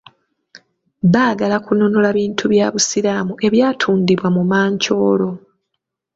Baagala kunnunula bintu bya Busiraamu ebyatundibwa mu mancooro.